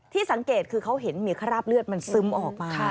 สังเกตคือเขาเห็นมีคราบเลือดมันซึมออกมา